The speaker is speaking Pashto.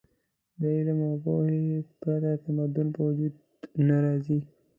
د علم او پوهې پرته تمدن په وجود نه راځي.